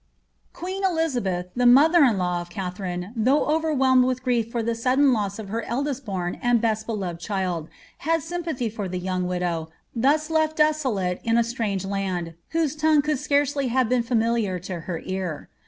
Queen Elizabeth, the mother in law of Katharine, though over whelmed with grief for the sudden loss of her eldest bom and best beloved child, had sympathy for the young widow, thus lefl desolate in a strange land, whose tongue could scarcely have become familiar to her ear.